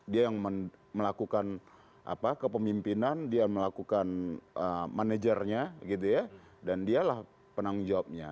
dia yang melakukan kepemimpinan dia yang melakukan manajernya dan dialah penanggung jawabnya